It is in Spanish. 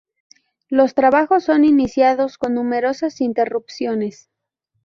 Los trabajos son iniciados con numerosas interrupciones.